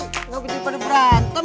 nggak begitu daripada berantem